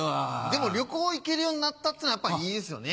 でも旅行行けるようになったっていうのはやっぱいいですよね。